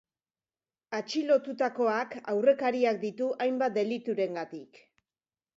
Atxilotutakoak aurrekariak ditu hainbat deliturengatik.